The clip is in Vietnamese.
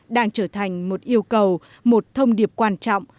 đang trở thành một yêu cầu một thông điệp quan trọng